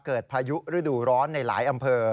พายุฤดูร้อนในหลายอำเภอ